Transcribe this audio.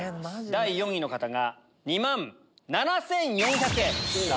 第４位の方が２万７４００円。